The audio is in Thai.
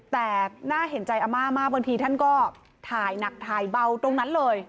แต่น่าเห็นใจอาม่ามากบางทีท่านก็ถ่ายหนักถ่ายเบาตรงนั้นเลย